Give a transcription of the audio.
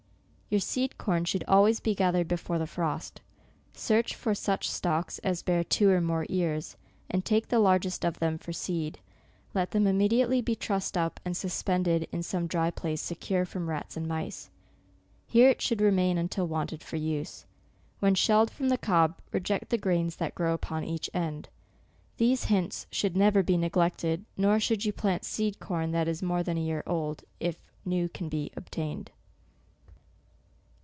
Your seed corn should always be gathered before the frost. Search for such stalks as bear two or more ears, and take the largest of them fox seed. Let them immediately be trussed up ? and suspended in some dry place, secure from rats and mice. Here it should remain until 180 SEPTEMBER. wanted for use. When shelled from the cob, reject the grains that grow upon each end. These hints should never be neglected, nor should you plant seed corn that is more than a year old, if new can be obtained.